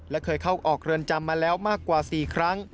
และเคยเข้าออกเรือนจำมาแล้วมากกว่า๔ครั้ง